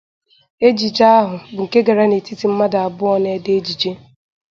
Ejije ahụ bụ nke gara n'etiti mmadụ abụọ na-ede ejije